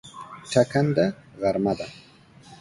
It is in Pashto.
ټکنده غرمه ده